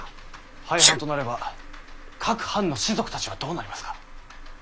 廃藩となれば各藩の士族たちはどうなりますか？